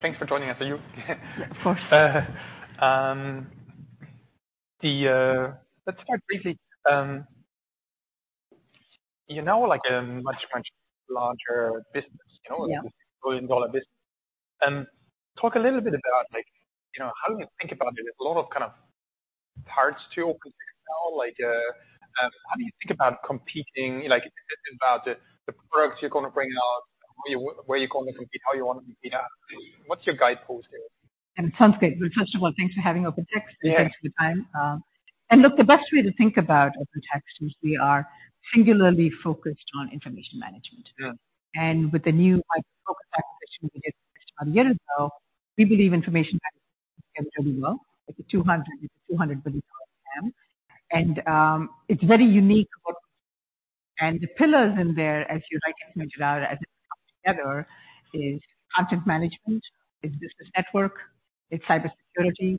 Thanks for joining us, are you? Let's start briefly. You know, like a much, much larger business, you know? Yeah. Million dollar business. Talk a little bit about like, you know, how do you think about it? There's a lot of kind of parts to it now, like, how do you think about competing? Like, about the products you're gonna bring out, where you're gonna compete, how you wanna compete out? What's your guidepost there? In some sense. But first of all, thanks for having OpenText- Yeah. Thanks for the time. And look, the best way to think about OpenText is we are singularly focused on information management. Yeah. With the new acquisition we did about a year ago, we believe information management. Well, it's a $200 billion TAM. It's very unique. The pillars in there, as you rightly pointed out, as together, is content management, it's business network, it's cybersecurity,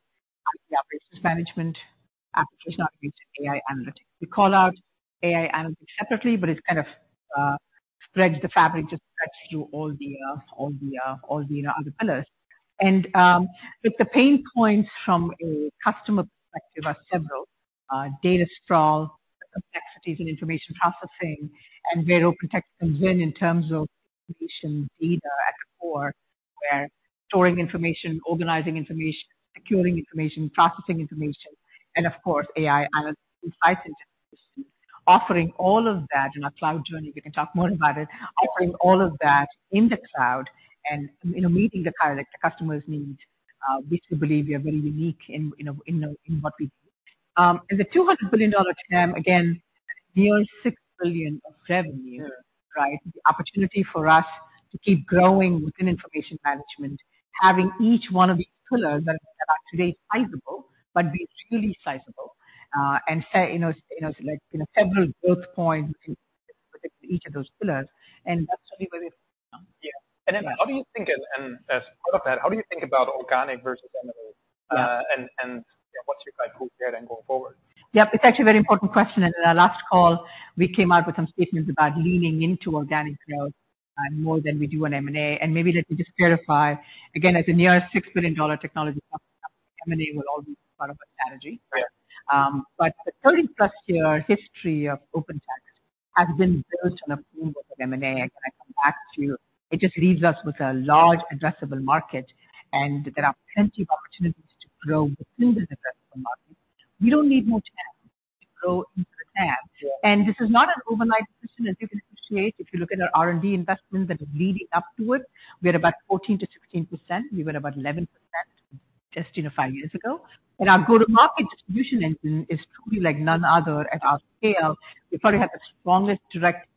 business management, AI analytics. We call out AI analytics separately, but it's kind of spreads the fabric, just cuts through all the other pillars. But the pain points from a customer perspective are several. Data sprawl, complexities in information processing and very well protected then in terms of information data at the core, where storing information, organizing information, securing information, processing information, and of course, AI analysis, insight into offering all of that in our cloud journey. We can talk more about it. Offering all of that in the cloud and, you know, meeting the kind, the customer's needs, which we believe we are very unique in, you know, in, in what we do. And the $200 billion TAM, again, near $6 billion of revenue. Yeah. Right? The opportunity for us to keep growing within information management, having each one of these pillars that are today sizable, but be truly sizable, and set, you know, you know, like, you know, several growth points in each of those pillars, and that's really where we are. Yeah. And then how do you think, and, and as part of that, how do you think about organic versus M&A? Yeah. What's your guidepost there then going forward? Yep, it's actually a very important question, and in our last call, we came out with some statements about leaning into organic growth, more than we do on M&A. And maybe let me just clarify. Again, as a near $6 billion technology company, M&A will always be part of our strategy. Yeah. But the 30+ year history of OpenText has been built on a pool of M&A. When I come back to you, it just leaves us with a large addressable market, and there are plenty of opportunities to grow within the addressable market. We don't need more to grow into the TAM. Yeah. This is not an overnight solution, as you can appreciate. If you look at our R&D investments that are leading up to it, we're about 14%-16%. We were about 11% just, you know, five years ago. Our go-to-market distribution engine is truly like none other at our scale. We probably have the strongest direct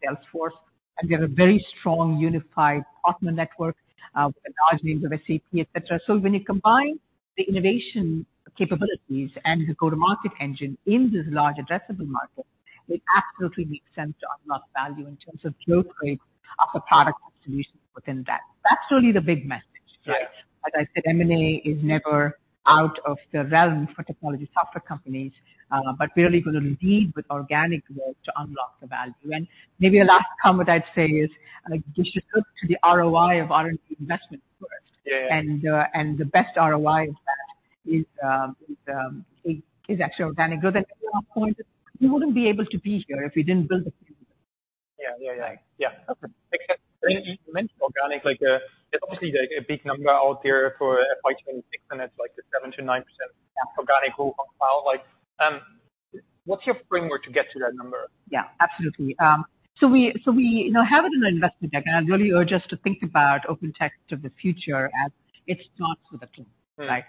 sales force, and we have a very strong unified partner network with large names like SAP, et cetera. So when you combine the innovation capabilities and the go-to-market engine in this large addressable market, we absolutely make sense to unlock value in terms of flow rate of the product solutions within that. That's really the big message, right? Yeah. As I said, M&A is never out of the realm for technology software companies, but we are really gonna lead with organic growth to unlock the value. And maybe a last comment I'd say is, like, we should look to the ROI of R&D investment first. Yeah. The best ROI is actually organic growth. At one point, we wouldn't be able to be here if we didn't build it. Yeah. Yeah, yeah. Yeah. Okay. You mentioned organic, like, obviously a big number out there for FY 2026, and it's like the 7%-9%. Yeah. Organic growth file. Like, what's your framework to get to that number? Yeah, absolutely. So we, you know, have it in an investment deck, and I'd really urge us to think about OpenText of the future as it starts with a team. Right?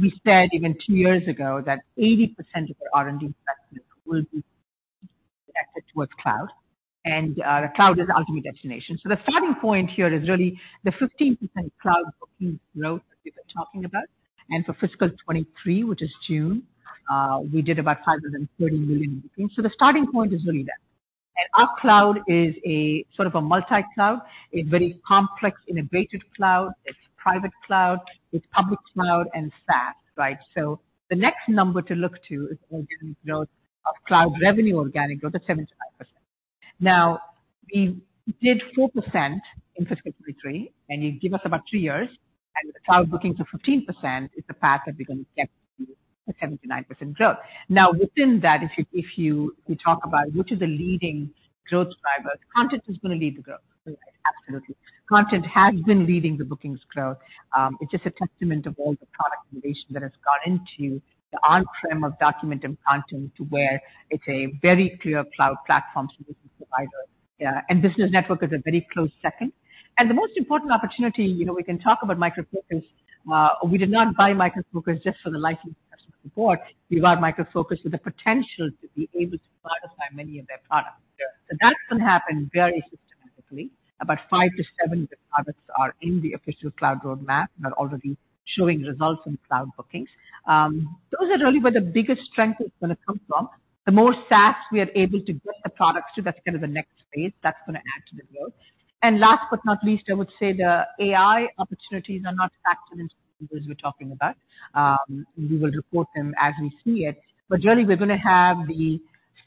We said even two years ago, that 80% of the R&D investment will be directed towards cloud, and the cloud is the ultimate destination. So the starting point here is really the 15% cloud booking growth that we've been talking about. And for fiscal 2023, which is June, we did about $530 million. So the starting point is really that. And our cloud is a sort of a multi-cloud. It's very complex, innovative cloud. It's private cloud, it's public cloud and SaaS, right? So the next number to look to is organic growth of cloud revenue, organic growth of 75%. Now, we did 4% in fiscal 2023, and you give us about three years, and the cloud bookings of 15% is the path that we're going to get to the 7%-9% growth. Now, within that, if you, we talk about which is a leading growth driver, Content is going to lead the growth. Absolutely. Content has been leading the bookings growth. It's just a testament of all the product innovation that has gone into the on-prem of Documentum and Content to where it's a very clear cloud platform solution provider. And Business Network is a very close second. And the most important opportunity, you know, we can talk about Micro Focus. We did not buy Micro Focus just for the licensing customer support. We bought Micro Focus for the potential to be able to modify many of their products. Yeah. So that will happen very systematically. About 5-7 products are in the official cloud roadmap, are already showing results in cloud bookings. Those are really where the biggest strength is gonna come from. The more SaaS we are able to get the products to, that's kind of the next phase that's gonna add to the growth. And last but not least, I would say the AI opportunities are not accidental, as we're talking about. We will report them as we see it, but really, we're gonna have the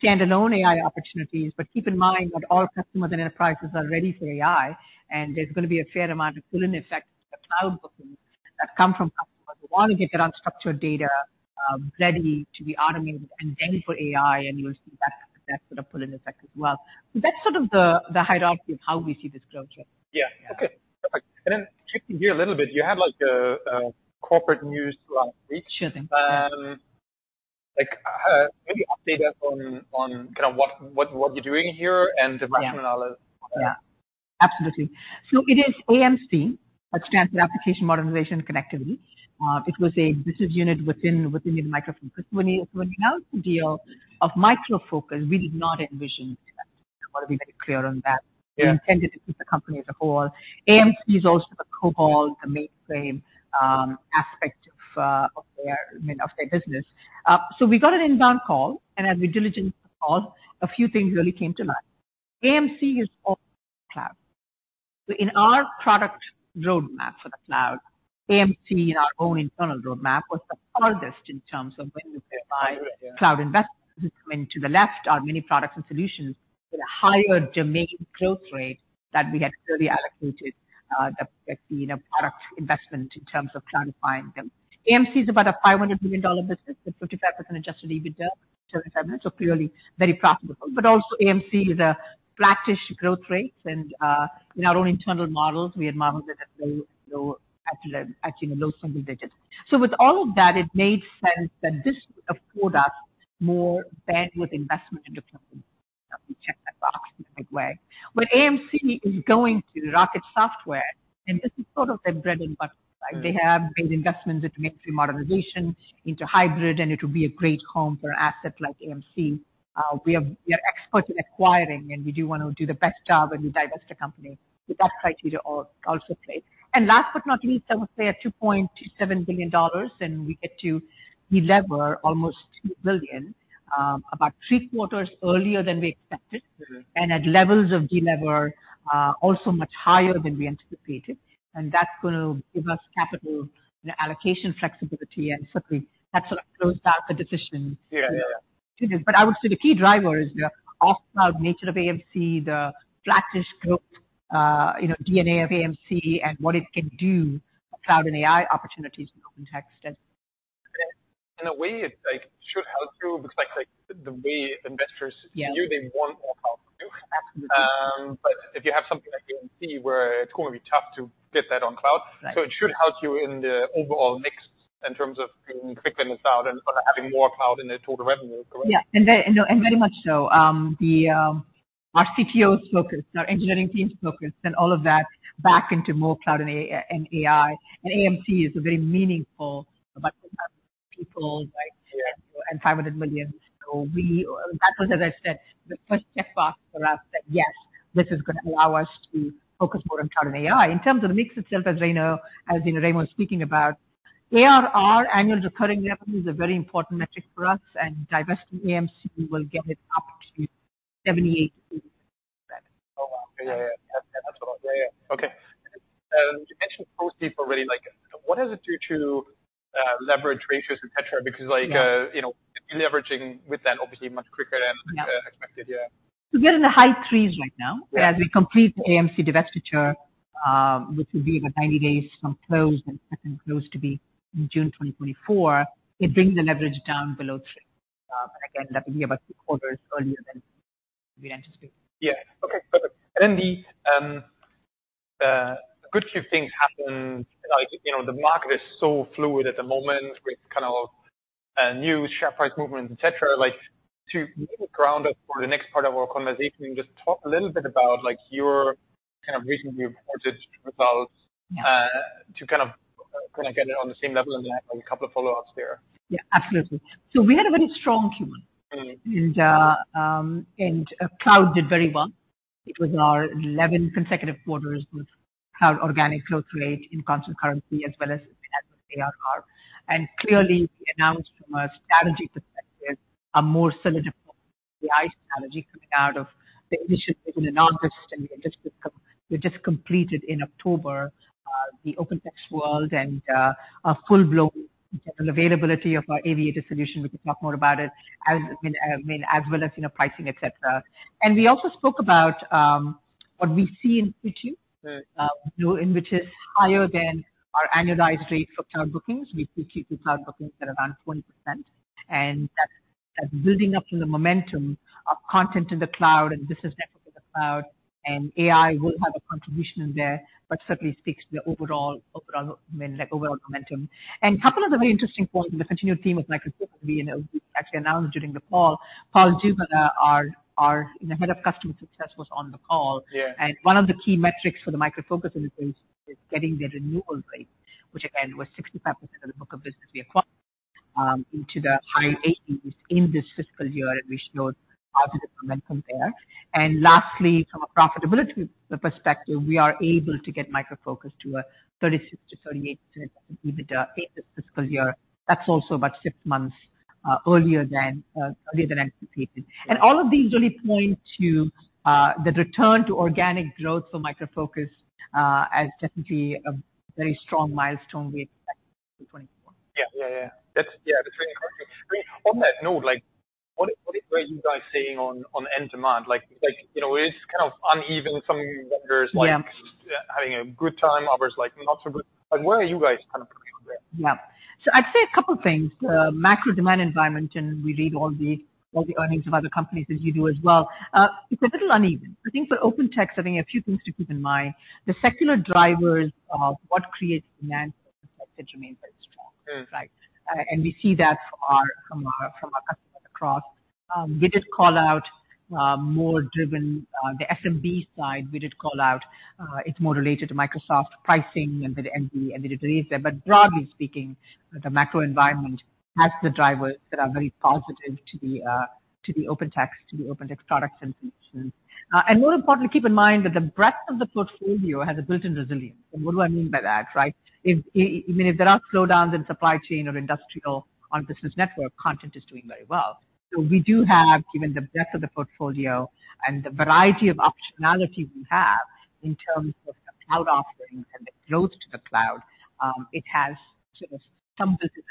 standalone AI opportunities. But keep in mind that all customers and enterprises are ready for AI, and there's gonna be a fair amount of pull-in effect for cloud bookings. that come from customers who want to get their unstructured data ready to be automated and then for AI, and you'll see that sort of put in a second as well. So that's sort of the hierarchy of how we see this growth here. Yeah. Okay, perfect. And then, checking here a little bit, you have, like, a corporate news last week. Sure thing. Yeah. Like, maybe update us on kind of what you're doing here and the rationale is. Yeah. Absolutely. So it is AMC, which stands for Application Modernization Connectivity. It was a business unit within the Micro Focus. When we announced the deal of Micro Focus, we did not envision AMC. I want to be very clear on that. Yeah. We intended to keep the company as a whole. AMC is also the COBOL, the mainframe, aspect of, of their, I mean, of their business. So we got an inbound call, and as we diligently called, a few things really came to mind. AMC is all cloud. So in our product roadmap for the cloud, AMC, in our own internal roadmap, was the farthest in terms of when you define- Yeah. Cloud investment. I mean, to the left are many products and solutions with a higher domain growth rate that we had clearly allocated, the, you know, product investment in terms of cloudifying them. AMC is about a $500 million business with 55% adjusted EBITDA, so clearly very profitable. But also AMC is a flattish growth rates, and, in our own internal models, we had modeled it at very low, you know, low single digits. So with all of that, it made sense that this would afford us more bandwidth investment into cloud. We check that box in a big way. What AMC is going to Rocket Software, and this is sort of their bread and butter. Right. They have made investments into modernity, modernization, into hybrid, and it would be a great home for asset like AMC. We are, we are experts in acquiring, and we do want to do the best job when we divest a company. So that criteria also played. And last but not least, I would say at $2.27 billion, and we get to delever almost $2 billion, about three quarters earlier than we expected. Mm-hmm. At levels of delever also much higher than we anticipated, and that's going to give us capital and allocation flexibility, and so we... That sort of closed out the decision. Yeah, yeah, yeah. To this. But I would say the key driver is the off-cloud nature of AMC, the flattish growth, you know, DNA of AMC and what it can do for cloud and AI opportunities in OpenText, and. In a way, it, like, should help you, because, like, the way investors- Yeah. view, they want more cloud from you. Absolutely. But if you have something like AMC, where it's going to be tough to get that on cloud. Right. So it should help you in the overall mix in terms of bringing quicken the cloud and, or having more cloud in the total revenue, correct? Yeah. And very much so. Our CTO is focused, our engineering team is focused, and all of that back into more cloud and AI, and AI. And AMC is a very meaningful about people, right? Yeah. $500 million. That was, as I said, the first check box for us, that yes, this is gonna allow us to focus more on cloud and AI. In terms of the mix itself, as Ramo, as you know, Ramo was speaking about, ARR, Annual Recurring Revenue, is a very important metric for us, and divesting AMC will get it up to 78%. Oh, wow. Yeah, yeah, yeah. That's what... Yeah, yeah. Okay. You mentioned those people already, like, what does it do to leverage ratios, et cetera? Yeah. Because like, you know, deleveraging with that obviously much quicker than- Yeah. Expected. Yeah. We are in the high threes right now. Yeah. As we complete the AMC divestiture, which will be about 90 days from close, and close to be in June 2024, it brings the leverage down below 3. Again, that will be about 6 quarters earlier than we anticipated. Yeah. Okay, perfect. And then the good few things happen. Like, you know, the market is so fluid at the moment with kind of new share price movements, et cetera. Like, to ground up for the next part of our conversation, just talk a little bit about, like, your kind of recently reported results- Yeah. To kind of get it on the same level, and I have a couple of follow-ups there. Yeah, absolutely. We had a very strong Q1. Mm-hmm. Cloud did very well. It was our 11 consecutive quarters with cloud organic growth rate in constant currency, as well as ARR. And clearly, we announced from a strategy perspective, a more solid AI strategy coming out of the initiative in August, and we just completed in October the OpenText World and a full-blown availability of our Aviator solution. We can talk more about it as, I mean, as well as, you know, pricing, et cetera. And we also spoke about what we see in Q2, which is higher than our annualized rate for cloud bookings. We see Q2 cloud bookings at around 20%, and that's, that's building up from the momentum of content in the cloud and business network in the cloud, and AI will have a contribution in there, but certainly speaks to the overall, overall, I mean, like, overall momentum. Couple of the very interesting points in the continued theme of Micro Focus, you know, we actually announced during the call, Paul Duggan, our head of customer success, was on the call. Yeah. One of the key metrics for the Micro Focus is getting their renewal rate, which again, was 65% of the book of business we acquired into the high 80s in this fiscal year, and we showed positive momentum there. And lastly, from a profitability perspective, we are able to get Micro Focus to a 36%-38% EBITDA in this fiscal year. That's also about six months earlier than anticipated. And all of these really point to the return to organic growth for Micro Focus as definitely a very strong milestone we expect in 2024. Yeah. Yeah, yeah. That's, yeah, that's really correct. On that note, what are you guys seeing on end demand? Like, you know, it's kind of uneven. Some vendors- Yeah. Like, having a good time, others, like, not so good. Like, where are you guys kind of putting there? Yeah. So I'd say a couple things. The macro demand environment, and we read all the, all the earnings of other companies as you do as well. It's a little uneven. I think for OpenText, I think a few things to keep in mind. The secular drivers of what creates demand remains very strong, right? Mm. And we see that from our customers across. We did call out more driven the SMB side, we did call out it's more related to Microsoft pricing and the release there. But broadly speaking, the macro environment has the drivers that are very positive to the OpenText products and solutions. And more importantly, keep in mind that the breadth of the portfolio has a built-in resilience. And what do I mean by that, right? If there are slowdowns in supply chain or industrial on business network, content is doing very well. So we do have, given the breadth of the portfolio and the variety of optionality we have in terms of the cloud offerings and the growth to the cloud, it has sort of some business,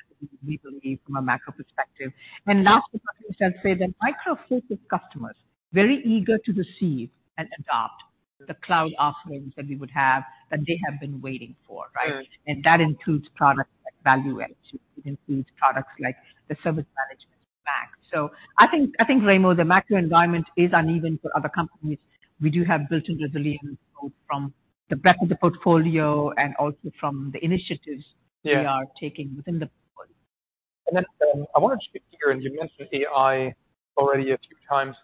we believe, from a macro perspective. And last, I'll say that Micro Focus customers, very eager to receive and adopt the cloud offerings that we would have, that they have been waiting for, right? Mm. And that includes products like Value Add. It includes products like the service management back. So I think, I think, Ramo, the macro environment is uneven for other companies. We do have built-in resilience from the breadth of the portfolio and also from the initiatives- Yeah We are taking within the portfolio. And then, I wanted to hear, and you mentioned AI already a few times.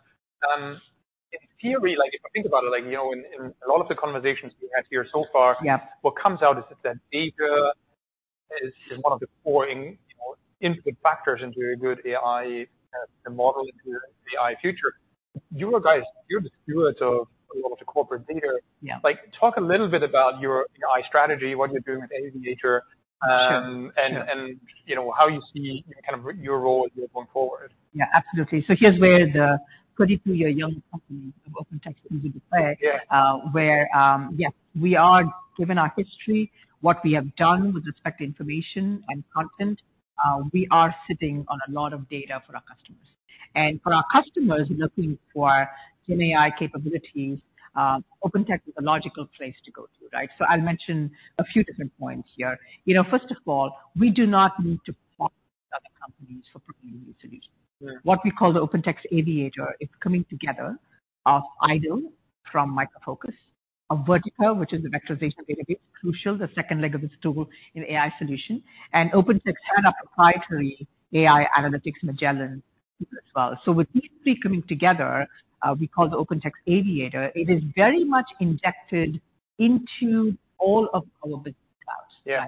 In theory, like, if I think about it, like, you know, in a lot of the conversations we had here so far- Yeah. What comes out is that data is one of the powering, you know, input factors into a good AI model into AI future. You guys, you're the steward of a lot of the corporate data. Yeah. Like, talk a little bit about your AI strategy, what you're doing with Aviator? Sure. and you know, how you see kind of your role going forward. Yeah, absolutely. So here's where the 22-year young company of OpenText comes into play. Yeah. Yeah, given our history, what we have done with respect to information and content, we are sitting on a lot of data for our customers. For our customers looking for GenAI capabilities, OpenText is a logical place to go to, right? So I'll mention a few different points here. You know, first of all, we do not need to partner with other companies for providing solutions. Sure. What we call the OpenText Aviator, it's coming together of IDOL from Micro Focus, of Vertica, which is a vectorization database, crucial, the second leg of this tool in AI solution, and OpenText had a proprietary AI analytics, Magellan, as well. So with these three coming together, we call the OpenText Aviator. It is very much injected into all of our business clouds. Yeah.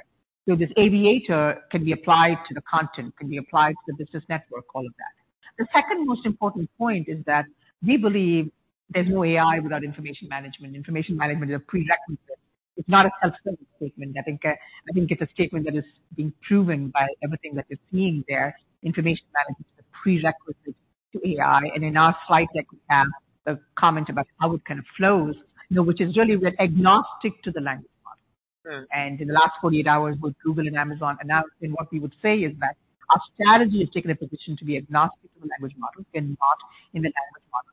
So this Aviator can be applied to the content, can be applied to the business network, all of that. The second most important point is that we believe there's no AI without information management. Information management is a prerequisite. It's not a self-serving statement. I think, I think it's a statement that is being proven by everything that we're seeing there. Information management is a prerequisite to AI, and in our slide deck, we have a comment about how it kind of flows, you know, which is really we're agnostic to the language model. Mm. In the last 48 hours, with Google and Amazon announce, and what we would say is that our strategy has taken a position to be agnostic to the language model and not in the language model.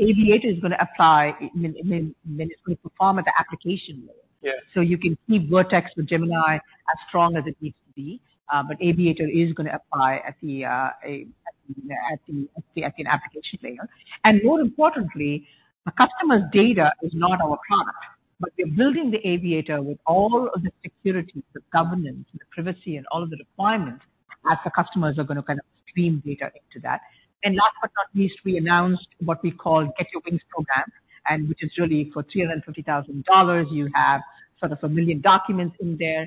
Aviator is gonna apply, I mean, then it's going to perform at the application level. Yeah. So you can keep Vertex with Gemini as strong as it needs to be, but Aviator is gonna apply at the application layer. And more importantly, a customer's data is not our product, but we're building the Aviator with all of the security, the governance, the privacy, and all of the requirements as the customers are gonna kind of stream data into that. And last but not least, we announced what we call Get Your Wings program, and which is really for $350,000, you have sort of 1 million documents in there,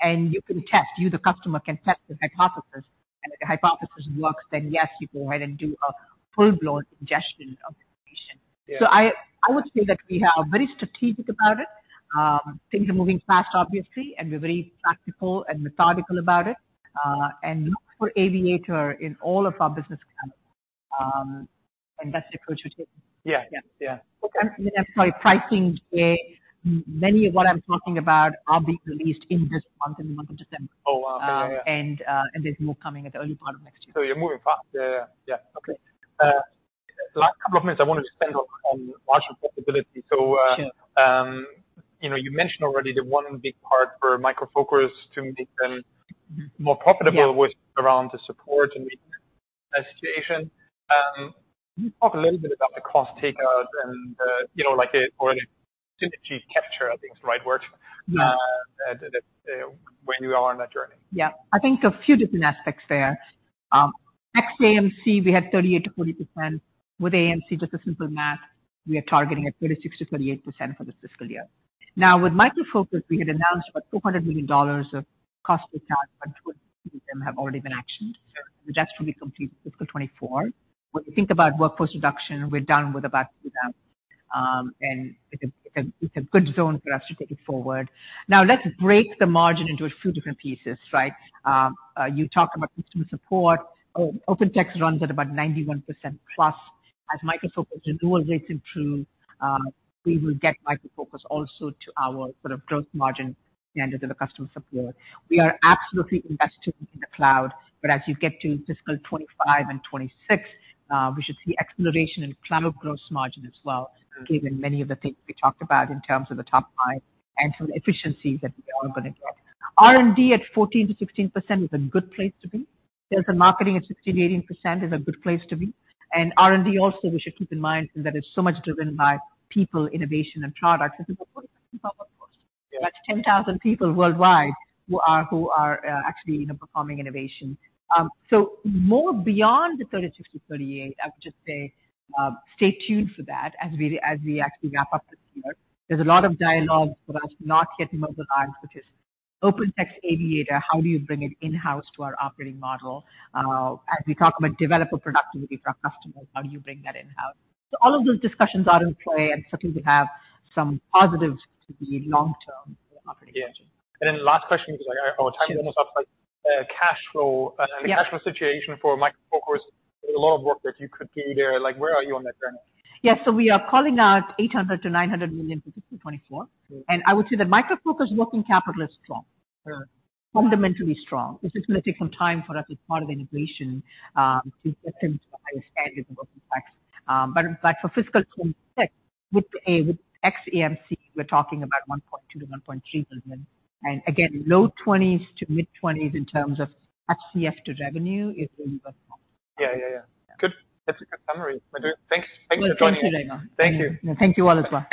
and you can test, you the customer, can test the hypothesis. And if the hypothesis works, then yes, you go ahead and do a full-blown ingestion of information. Yeah. So I would say that we are very strategic about it. Things are moving fast, obviously, and we're very practical and methodical about it, and look for Aviator in all of our business channels, and that's the approach we're taking. Yeah. Yeah. Yeah. Okay, sorry, pricing. Many of what I'm talking about are being released in this month, in the month of December. Oh, wow. Yeah, yeah, yeah. And there's more coming at the early part of next year. So you're moving fast. Yeah, yeah. Okay. Last couple of minutes, I wanted to spend on marginal profitability. So, Sure. You know, you mentioned already the one big part for Micro Focus to make them more profitable- Yeah -was around the support and maintenance situation. Can you talk a little bit about the cost takeout and, you know, like the, or the synergy capture, I think, is the right word? Yeah that, where you are on that journey? Yeah. I think a few different aspects there. Ex AMC, we had 38%-40%. With AMC, just a simple math, we are targeting at 36%-38% for this fiscal year. Now, with Micro Focus, we had announced about $200 million of cost, but two of them have already been actioned. So that's to be complete fiscal 2024. When you think about workforce reduction, we're done with about, and it's a good zone for us to take it forward. Now, let's break the margin into a few different pieces, right? You talk about customer support. OpenText runs at about 91%+. As Micro Focus renewal rates improve, we will get Micro Focus also to our sort of growth margin standards of the customer support. We are absolutely investing in the cloud, but as you get to fiscal 2025 and 2026, we should see acceleration in cloud of gross margin as well, given many of the things we talked about in terms of the top five and some efficiencies that we are gonna get. R&D at 14%-16% is a good place to be. Sales and marketing at 16%-18% is a good place to be. And R&D also, we should keep in mind, that it's so much driven by people, innovation, and products. It's about 10,000 people worldwide who are actually, you know, performing innovation. So more beyond the 36%-38%, I would just say stay tuned for that as we actually wrap up this year. There's a lot of dialogue for us, not yet mobile arms, which is OpenText Aviator. How do you bring it in-house to our operating model? As we talk about developer productivity for our customers, how do you bring that in-house? So all of those discussions are in play, and certainly, we have some positives to the long-term operating. Yeah. And then last question, because our time is almost up, cash flow- Yeah. And the cash flow situation for Micro Focus. There's a lot of work that you could do there. Like, where are you on that journey? Yes. So we are calling out $800 million-$900 million for 2024. Yeah. I would say that Micro Focus working capital is strong. Sure. Fundamentally strong. This is gonna take some time for us as part of the integration to get them to higher standard than OpenText. But, but for fiscal 2026, with ex AMC, we're talking about $1.2 billion-$1.3 billion. And again, low 20s to mid-20s in terms of FCF to revenue is really good. Yeah, yeah, yeah. Good. That's a good summary. Thank you. Thank you for joining us. Well, thank you, Ramo. Thank you. Thank you all as well.